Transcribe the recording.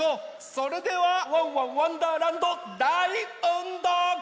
それでは「ワンワンわんだーらんど」だいうんどうかい！